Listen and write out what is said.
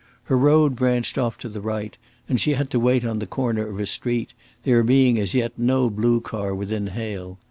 Her road branched off to the right, and she had to wait on the corner of a street, there being as yet no blue car within hail.